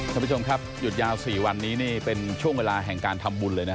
ท่านผู้ชมครับหยุดยาว๔วันนี้นี่เป็นช่วงเวลาแห่งการทำบุญเลยนะ